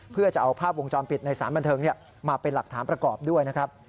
เพื่อจะเอาภาพวงจรปิดในสารบันเทิงมาเป็นหลักฐานประกอบด้วยนะครับ